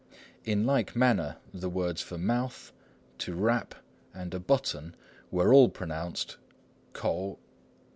In like manner, the words for "mouth," "to rap," and "a button," were all pronounced k'ou.